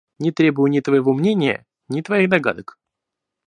Не требую ни твоего мнения, ни твоих догадок.